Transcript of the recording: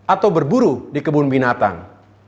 atau berburu di kebun binatang